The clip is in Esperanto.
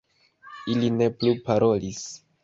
Ili ne plu parolis.